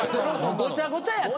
ごちゃごちゃやって。